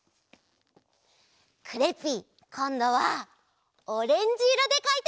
クレッピーこんどはオレンジいろでかいてみる！